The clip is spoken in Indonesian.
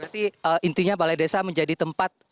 berarti intinya balai desa menjadi tempat